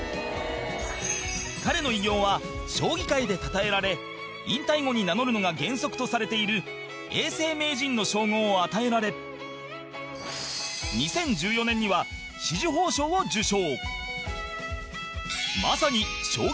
彼の偉業は将棋界で称えられ引退後に名乗るのが原則とされている永世名人の称号を与えられ２０１４年には紫綬褒章を受賞